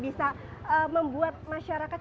bisa membuat masyarakat